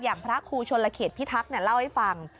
อย่างพระครูชลเขตพิทักษ์เนี่ยเล่าให้ฟัง